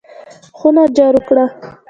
خونه جارو کړه!